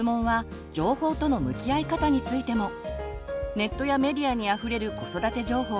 ネットやメディアにあふれる子育て情報。